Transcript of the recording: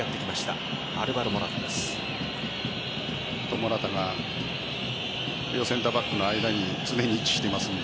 モラタがセンターバックの間に常に位置していますので。